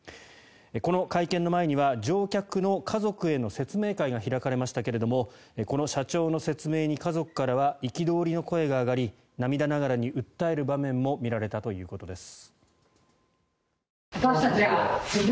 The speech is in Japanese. この会見の前には乗客の家族への説明会が開かれましたがこの社長の説明に家族からは憤りの声が上がり涙ながらに訴える場面も見られたということです。